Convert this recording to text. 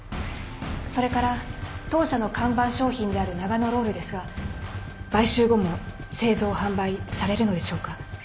それから当社の看板商品であるながのロールですが買収後も製造販売されるのでしょうか？